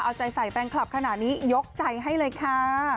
เอาใจใส่แฟนคลับขนาดนี้ยกใจให้เลยค่ะ